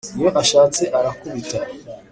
Iyo ashatse arakubita.